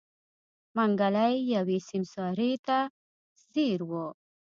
منګلی يوې سيمسارې ته ځير و.